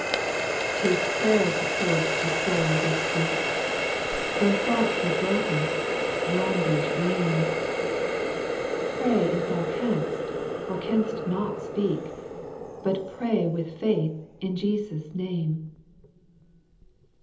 6. 'T is prayer supports the soul that's weak, Though thought be broken, language lame ; Pray if thou canst or canst not speak ; But pray with faith in Jesus' name.